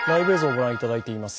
ご覧いただいています。